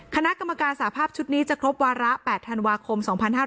คณะกรรมการสาภาพชุดนี้จะครบวาระ๘ธันวาคม๒๕๕๙